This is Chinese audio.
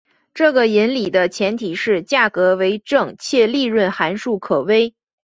这个引理的前提是价格为正且利润函数可微。